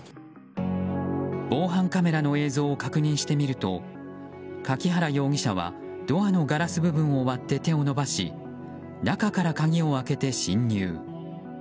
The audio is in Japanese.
防犯カメラの映像を確認してみると柿原容疑者はドアのガラス部分を割って手を伸ばし中から鍵を開けて侵入。